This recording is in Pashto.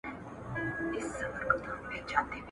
ماته مي پیاله کړه میخانې را پسي مه ګوره ..